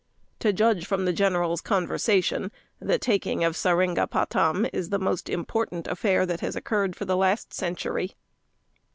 To judge from the general's conversation, the taking of Seringapatam is the most important affair that has occurred for the last century.